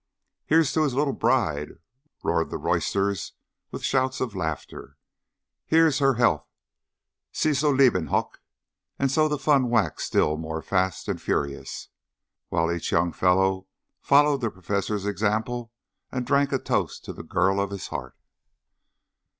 "Here's to his little bride!" roared the roysterers, with shouts of laughter. "Here's her health. Sie soll leben Hoch!" And so the fun waxed still more fast and furious, while each young fellow followed the Professor's example, and drank a toast to the girl of his heart.